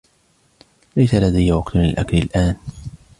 ليس لدي وقت للاكل الان.